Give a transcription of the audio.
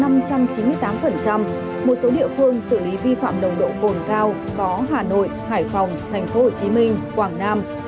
một số địa phương xử lý vi phạm nồng độ cồn cao có hà nội hải phòng tp hcm quảng nam